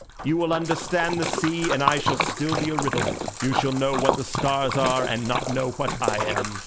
You will understand the sea, and I shall be still a riddle; you shall know what the stars are, and not know what I am.